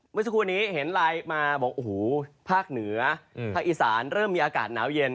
เมื่อสักครู่นี้เห็นไลน์มาบอกโอ้โหภาคเหนือภาคอีสานเริ่มมีอากาศหนาวเย็น